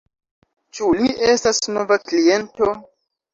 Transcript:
Ĉu li estas nova kliento?